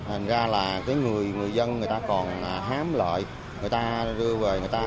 hình ra là người dân còn hám lợi người ta đưa về người ta